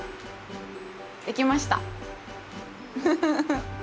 できました。